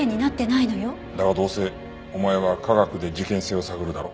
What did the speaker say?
だがどうせお前は科学で事件性を探るだろ？